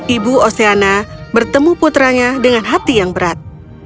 ibu oceana bertemu putranya dengan hati yang berat